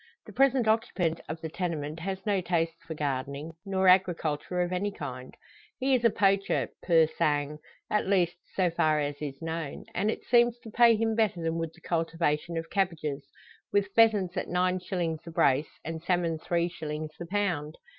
The present occupant of the tenement has no taste for gardening, nor agriculture of any kind; he is a poacher, pur sang at least, so far as is known. And it seems to pay him better than would the cultivation of cabbages with pheasants at nine shillings the brace, and salmon three shillings the pound.